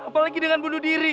apalagi dengan bunuh diri